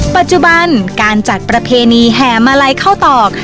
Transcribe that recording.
ปัจจุบันการจัดประเพณีแห่มาลัยข้าวตอก